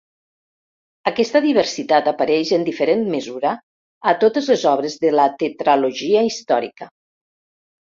Aquesta diversitat apareix en diferent mesura a totes les obres de la tetralogia històrica.